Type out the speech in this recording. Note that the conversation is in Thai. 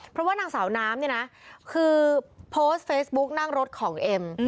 เพราะว่านางสาวน้ำเนี่ยนะคือโพสต์เฟซบุ๊กนั่งรถของเอ็ม